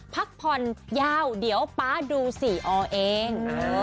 พักผ่อนยาวเดี๋ยวป๊าดู๔อเอง